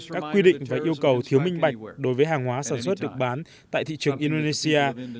các quy định và yêu cầu thiếu minh bạch đối với hàng hóa sản xuất được bán tại thị trường indonesia